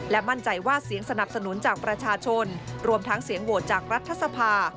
มั่นใจว่าเสียงสนับสนุนจากประชาชนรวมทั้งเสียงโหวตจากรัฐสภา